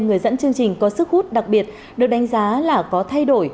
người dẫn chương trình có sức hút đặc biệt được đánh giá là có thay đổi